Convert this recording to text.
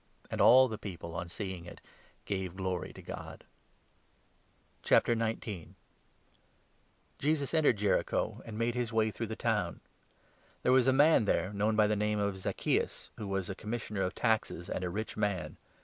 And all the people, on seeing it, gave glory to God. zacchaeus Jesus entered Jericho and made his way through i the the town. There was a man there, known 2 Tax gatherer, by the name of Zacchaeus, who was a commis sioner of taxes and a rich man.